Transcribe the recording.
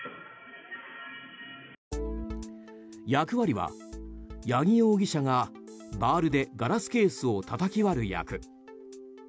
役割は、八木容疑者がバールでガラスケースをたたき割る役。